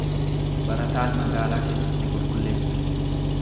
Barataan magaalaa keessatti qulqulleessa.